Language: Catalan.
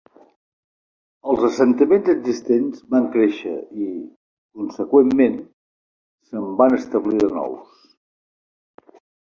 Els assentaments existents van créixer i, conseqüentment, se'n van establir de nous.